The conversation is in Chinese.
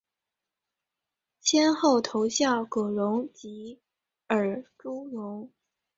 先后投效葛荣及尔朱荣。